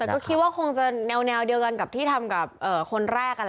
แต่ก็คิดว่าคงจะแนวเดียวกันกับที่ทำกับคนแรก